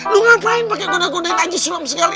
lu ngapain pake goda godain haji sulam sekali